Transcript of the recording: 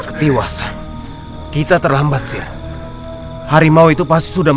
ketiwasan kita terlambat sih harimau itu pasti sudah